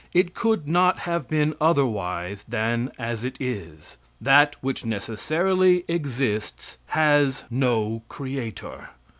It could not have been otherwise than as it is. That which necessarily exists has no creator.